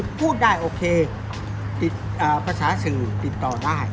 พูดได้โอเคใต้ฝาศาสตร์ฝรั่งเศษติดต่อได้